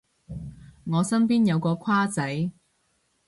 我身邊有個跨仔